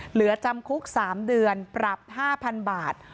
เหลือจำคุก๓เดือนปรับ๕๐๐๐บาท